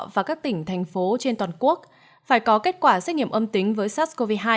và các tỉnh thành phố trên toàn quốc phải có kết quả xét nghiệm âm tính với sars cov hai